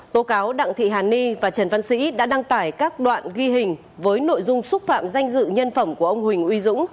tố cáo đặng thị hàn ni và trần văn sĩ đã đăng tải các đoạn ghi hình với nội dung xúc phạm danh dự nhân phẩm của ông huỳnh uy dũng